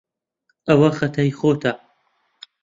ئەوە خەتای خۆتە.